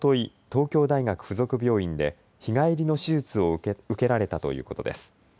東京大学附属病院で日帰りの手術を受けられたということです。